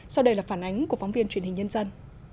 sau đây là phản ánh của phóng viên truyền hình nhân dân